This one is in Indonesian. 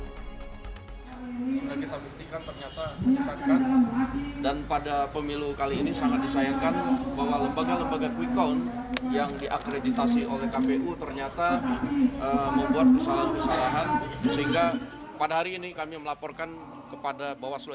sudah kita buktikan ternyata menyesatkan dan pada pemilu kali ini sangat disayangkan bahwa lembaga lembaga quick count yang diakreditasi oleh kpu ternyata membuat kesalahan kesalahan sehingga pada hari ini kami melaporkan kepada bawaslu